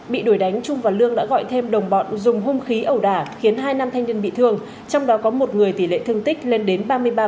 bị đuổi đánh trung và lương đã gọi thêm đồng bọn dùng hung khí ẩu đả khiến hai nam thanh niên bị thương trong đó có một người tỷ lệ thương tích lên đến ba mươi ba